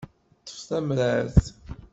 Ṭṭef tamrart.